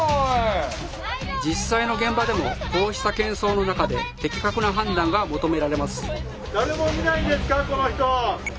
実際の現場でもこうしたけん騒の中で的確な判断が求められます。